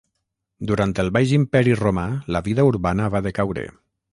Durant el Baix Imperi Romà la vida urbana va decaure.